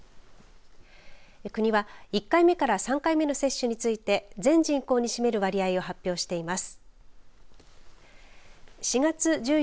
国は１回目から３回目の接種について全人口に占める割合を発表しています。